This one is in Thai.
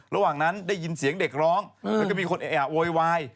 ระหว่างนั้นได้ยินเสียงเด็กร้องแล้วก็มีคนโวยวาย